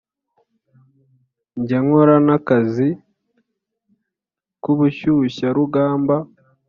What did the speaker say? njya nkora n’akazi k’ubushyushyarugamba